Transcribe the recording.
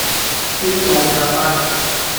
別無長物